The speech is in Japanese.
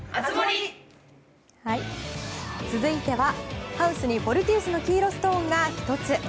続いては、ハウスにフォルティウスの黄色のストーンが１つ。